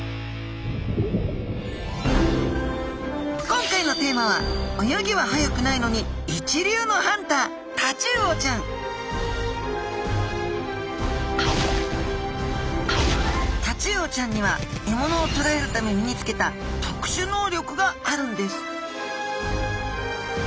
今回のテーマは泳ぎは速くないのにタチウオちゃんには獲物をとらえるため身につけた特殊能力があるんです！